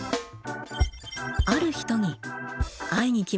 ある人に会いに来ました。